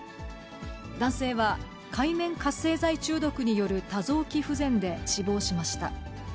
男性は、界面活性剤中毒による多臓器不全で死亡しました。